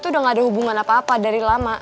itu udah gak ada hubungan apa apa dari lama